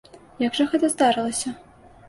Як жа гэта здарылася?